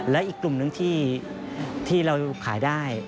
และอีกกลุ่มหนึ่งที่เราขายได้